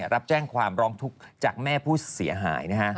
รับแจ้งความร้องทุกข์จากแม่ผู้เสียหาย